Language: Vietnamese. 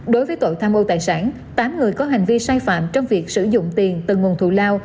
đối với tội tham ô tài sản tám người có hành vi sai phạm trong việc sử dụng tiền từ nguồn thù lao